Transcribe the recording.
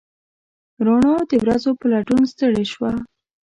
روڼا د ورځو په لټون ستړې شوه